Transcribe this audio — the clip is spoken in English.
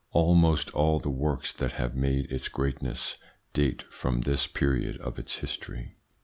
Almost all the works that have made its greatness date from this period of its history.